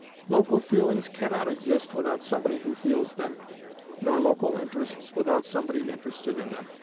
Local feelings can not exist without somebody who feels them, nor local interests without somebody interested in them.